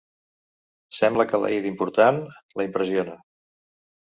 Sembla que la i d'important la impressiona.